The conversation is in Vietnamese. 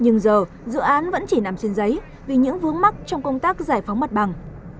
nhưng giờ dự án vẫn chỉ nằm trên giấy vì những vướng mắt trong công tác giải phóng mặt bằng